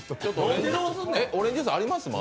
オレンジジュース、まだあります？